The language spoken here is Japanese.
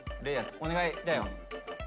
嶺亜お願いだよ。